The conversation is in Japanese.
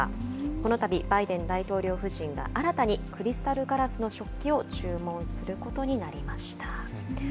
このたび、バイデン大統領夫人が新たにクリスタルガラスの食器を注文することになりました。